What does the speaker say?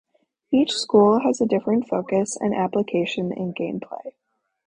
Each school has a different focus and application in gameplay.